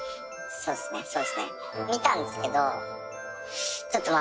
そうですねそうですね。